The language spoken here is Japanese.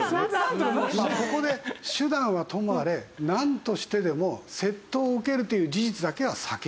ここで手段はともあれなんとしてでも節刀を受けるという事実だけは避けると。